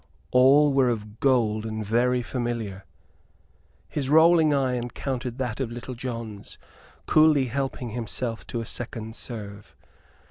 All were of gold and very familiar. His rolling eye encountered that of Little John's, coolly helping himself to a second serve.